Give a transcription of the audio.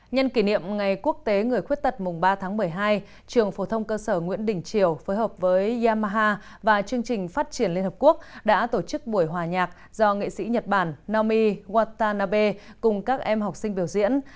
nhân kỷ niệm ngày quốc tế người khuyết tật mùng ba tháng một mươi hai trường phổ thông cơ sở nguyễn đình triều phối hợp với yamaha và chương trình phát triển liên hợp quốc đã tổ chức buổi hòa nhạc do nghệ sĩ nhật bản nami watanabe cùng các em học sinh biểu diễn